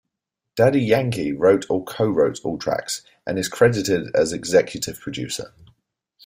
Daddy Yankee wrote or co-wrote all tracks, and is credited as executive producer.